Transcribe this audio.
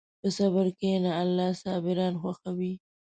په صبر کښېنه، الله صابران خوښوي.